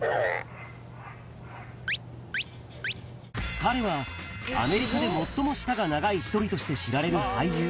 彼は、アメリカでもっとも舌が長い一人として知られる俳優。